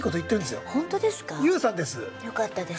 よかったです。